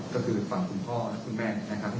ก็คือฝั่งคุณพ่อและคุณแม่นะครับ